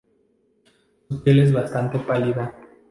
Su piel es bastante pálida.